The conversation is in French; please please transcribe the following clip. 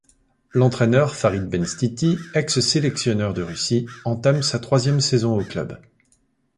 L'entraineur Farid Benstiti ex-sélectionneur de Russie, entame sa troisième saison au club.